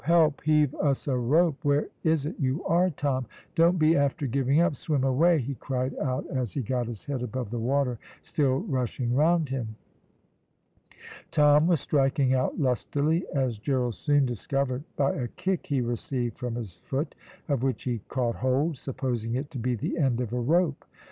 help! Heave us a rope. Where is it you are, Tom? Don't be after giving up swim away," he cried out, as he got his head above the water still rushing round him. Tom was striking out lustily, as Gerald soon discovered by a kick he received from his foot, of which he caught hold, supposing it to be the end of a rope.